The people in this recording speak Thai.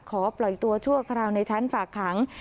ปล่อยตัวชั่วคราวในชั้นฝากขัง